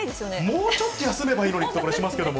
もうちょっと休めばいいのにって気がしますけど。